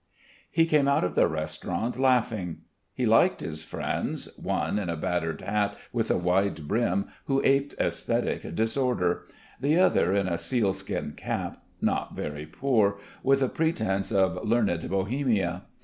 He came out of the restaurant laughing. He liked his friends one in a battered hat with a wide brim who aped aesthetic disorder; the other in a sealskin cap, not very poor, with a pretence of learned Bohemia.